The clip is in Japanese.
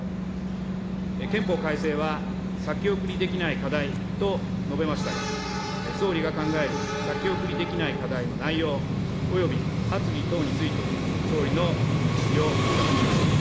憲法改正は、先送りできない課題と述べましたが、総理が考える先送りできない課題の内容、および発議等について、総理の認識を伺います。